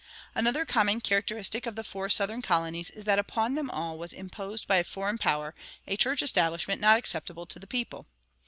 Another common characteristic of the four Southern colonies is that upon them all was imposed by foreign power a church establishment not acceptable to the people.